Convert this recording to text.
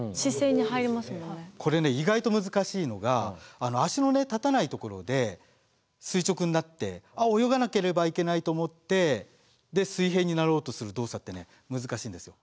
これね意外と難しいのが足のね立たない所で垂直になって泳がなければいけないと思って水平になろうとする動作ってね難しいんですよ。